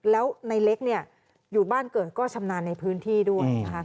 แล้วในเล็กอยู่บ้านเกิดก็ชำนาญในพื้นที่ด้วยนะคะ